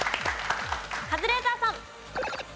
カズレーザーさん。